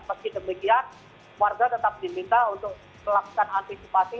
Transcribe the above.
meski demikian warga tetap diminta untuk melakukan antisipasi